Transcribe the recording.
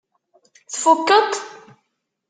Tfukkeḍ-t?